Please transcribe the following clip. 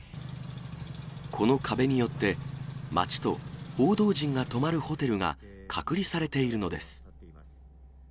この壁によって、街と報道陣が泊まるホテルが隔離されているのです。